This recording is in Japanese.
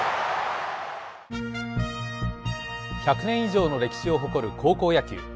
１００年以上の歴史を誇る高校野球。